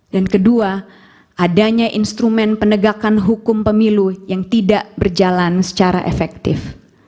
dan kedua adanya instrumen penegakan hukum pemilu yang tidak berjalan secara efektif